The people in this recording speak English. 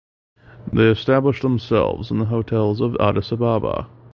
They established themselves in hotels in Addis Ababa.